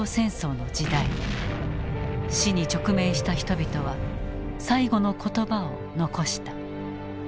死に直面した人々は最期の言葉を残した。